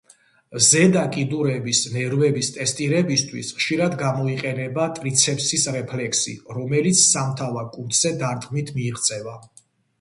ზედა კიდურების ნერვების ტესტირებისთვის ხშირად გამოიყენება ტრიცეპსის რეფლექსი, რომელიც სამთავა კუნთზე დარტყმით მიიღწევა.